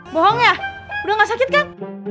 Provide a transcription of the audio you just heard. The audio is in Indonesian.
bohong ya udah gak sakit kang